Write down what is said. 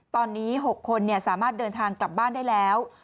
ตอนนี้๖คนสามารถเดินทางกลับบ้านได้แล้ว